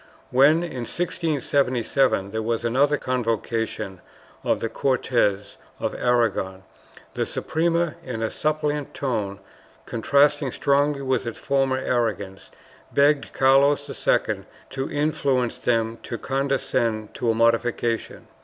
When, in 1677, there was another convocation of the Cortes of Aragon, the Suprema, in a suppliant tone contrasting strongly with its former arrogance, begged Carlos II to influence them to condescend to a modification.